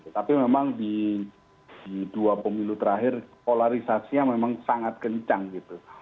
tapi memang di dua pemilu terakhir polarisasinya memang sangat kencang gitu